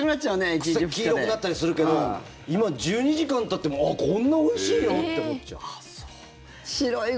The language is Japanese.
黄色くなったりするけど今、１２時間たってもこんなおいしいの？って思っちゃう。